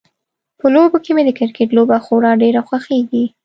په لوبو کې مې د کرکټ لوبه خورا ډیره خوښیږي